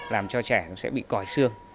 làm cho trẻ nó sẽ bị còi xương